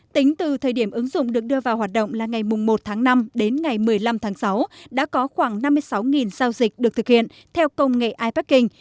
tính từ thời điểm ứng dụng được đưa vào hoạt động là ngày một tháng năm đến ngày một mươi năm tháng sáu đã có khoảng năm mươi sáu giao dịch được thực hiện theo công nghệ iparking